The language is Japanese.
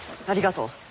ありがとう。